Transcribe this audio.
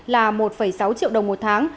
là một sáu triệu đồng một tháng